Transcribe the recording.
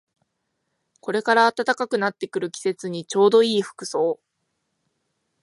これから暖かくなってくる季節にちょうどいい服装